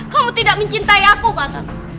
kamu tidak mencintai aku kakak